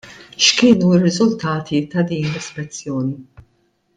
X'kienu r-riżultati ta' din l-ispezzjoni?